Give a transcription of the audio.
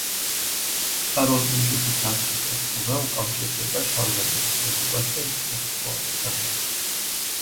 კაროლინგების არქიტექტურა უკავშირდება შარლემანის მეფობას და ინტელექტუალურ განახლებას.